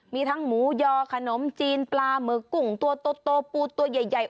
มีทั้งหมูยอขนมจีนปลาหมึกกุ้งตัวโตปูตัวใหญ่